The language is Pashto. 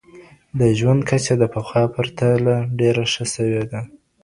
د ژوند کچه د پخوا په پرتله ډېره ښه سوي ده.